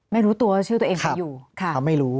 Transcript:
ไม่รู้ตัวชื่อตัวเองไปอยู่